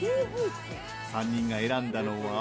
３人が選んだのは。